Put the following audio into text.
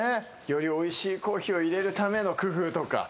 よりおいしいコーヒーを入れるための工夫とか。